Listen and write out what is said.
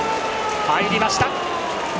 入りました。